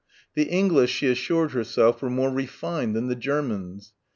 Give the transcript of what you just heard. The English she assured herself were more refined than the Germans.